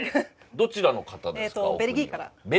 どちらの方ですか？